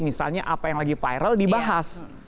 misalnya apa yang lagi viral dibahas